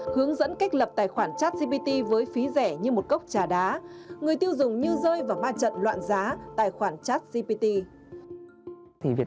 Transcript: hướng dẫn cách lập tài khoản chất cpt với phí rẻ như một cốc trà đá người tiêu dùng như rơi vào ma trận loạn giá tài khoản chất cpt